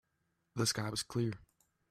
The sky was clear.